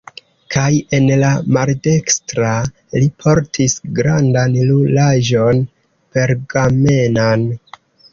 Kaj en la maldekstra li portis grandan rulaĵon pergamenan.